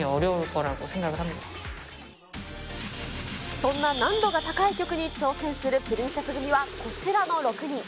そんな難度が高い曲に挑戦するプリンセス組は、こちらの６人。